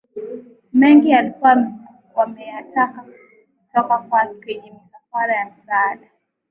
mengi walikuwa wameyateka kutoka kwenye misafara ya misaada